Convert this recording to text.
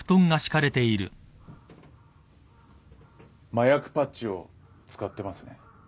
麻薬パッチを使ってますね？